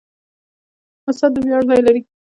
استاد د ویاړ ځای لري.